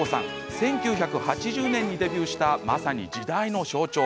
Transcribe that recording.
１９８０年にデビューしたまさに時代の象徴。